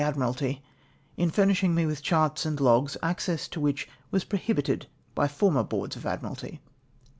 Admiralty, in furnishing nie with charts and logs, access to which w^as prohibited by former Boards of Admiralty.